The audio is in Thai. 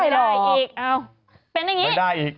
ไม่ได้อีกเอ้าเป็นอย่างนี้